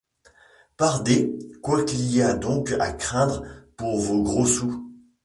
Pardé! quoi qu’il y a donc à craindre pour vos gros sous?...